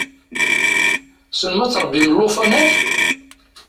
Tessnem ad tṛebbim llufanat?